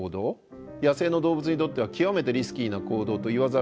野生の動物にとっては極めてリスキーな行動と言わざるをえない。